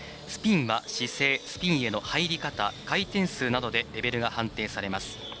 スピンは姿勢スピンへの入り方回転数などでレベルが判定されます。